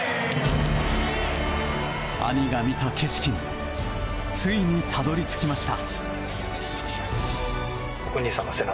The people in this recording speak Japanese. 兄が見た景色についにたどり着きました。